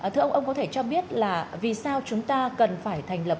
thưa ông ông có thể cho biết là vì sao chúng ta cần phải thành lập